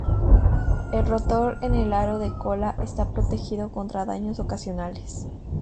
El rotor en el aro de cola está protegido contra daños ocasionales.